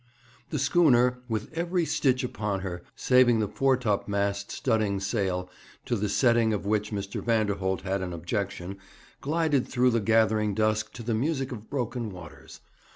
The schooner, with every stitch upon her, saving the foretopmast studding sail, to the setting of which Mr. Vanderholt had an objection, glided through the gathering dusk to the music of broken waters.